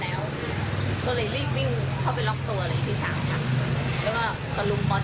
แล้วก็แบบต่อยกันนะครับ